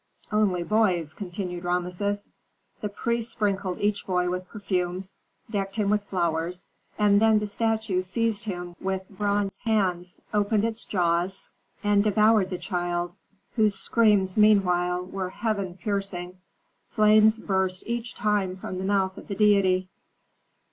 "Only boys," continued Rameses. "The priests sprinkled each boy with perfumes, decked him with flowers, and then the statue seized him with bronze hands, opened its jaws, and devoured the child, whose screams meanwhile were heaven piercing. Flames burst each time from the mouth of the deity."